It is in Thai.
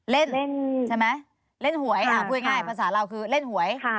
เล่นใช่ไหมเล่นหวยพูดง่ายภาษาเราคือเล่นหวย